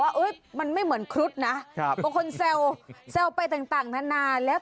อันนั้นจดหมายส่วนตัว